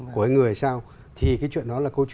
của người sao